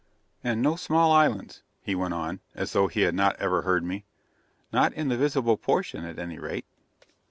"And no small islands," he went on, as though he had not ever heard me. "Not in the visible portion, at any rate."